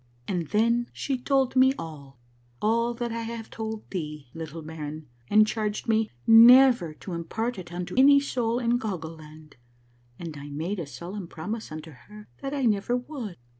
"And then she told me all — all that I have told thee, little baron, and charged me never to impart it unto any soul in Goggle Land ; and I made a solemn promise unto her that I never would."